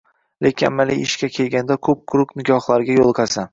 Lekin amaliy ishga kelganda qup-quruq nigohlarga yoʻliqasan.